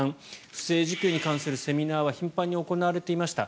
不正受給に関するセミナーは頻繁に行われていました。